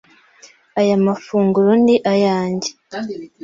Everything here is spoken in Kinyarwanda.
aya magufwa ni ayanjye